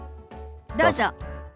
どうぞ。